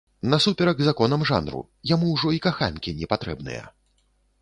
Насуперак законам жанру, яму ўжо і каханкі не патрэбныя.